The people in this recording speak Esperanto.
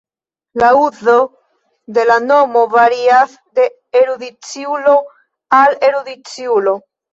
La uzo de la nomo varias de erudiciulo al erudiciulo.